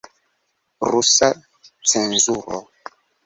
Rusa cenzuro.